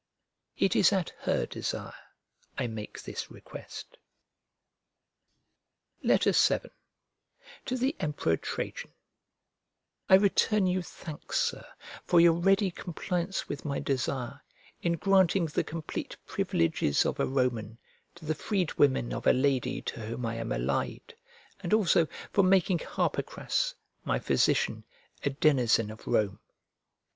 It is at her desire I make this request. VII To THE EMPEROR TRAJAN I RETURN YOU thanks, Sir, for your ready compliance with my desire, in granting the complete privileges of a Roman to the freedwomen of a lady to whom I am allied and also for making Harpocras, my physician, a denizen of Rome.